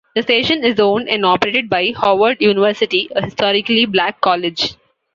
The station is owned and operated by Howard University, a historically black college.